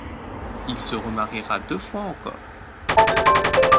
Il se remariera deux fois encore.